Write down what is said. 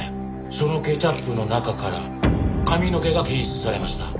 そのケチャップの中から髪の毛が検出されました。